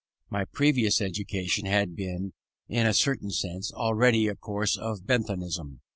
My previous education had been, in a certain sense, already a course of Benthamism.